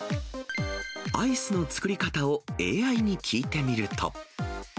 アイスの作り方をＡＩに聞いてみると。